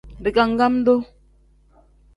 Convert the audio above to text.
Digangam-duu.